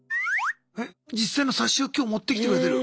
え実際の冊子を今日持ってきてくれてる。